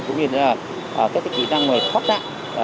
cũng như là các kỹ năng này khó tạng